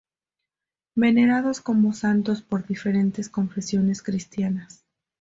Venerados como santos por diferentes confesiones cristianas.